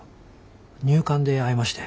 入管で会いまして。